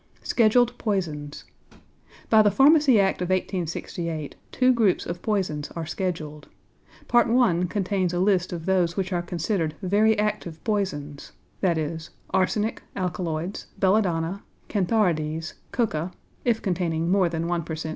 =Scheduled Poisons.= By the Pharmacy Act of 1868 two groups of poisons are scheduled. Part I. contains a list of those which are considered very active poisons e.g., arsenic, alkaloids, belladonna, cantharides, coca (if containing more than 1 per cent.